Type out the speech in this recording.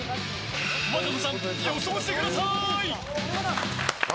和歌子さん、予想してください！